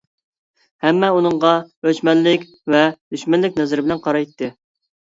ھەممە ئۇنىڭغا ئۆچمەنلىك ۋە دۈشمەنلىك نەزىرى بىلەن قارايتتى.